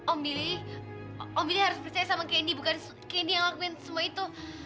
om billy om billy harus percaya sama candy bukan candy yang ngelakuin semua itu